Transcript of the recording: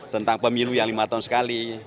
tentang pemilu yang lima tahun sekali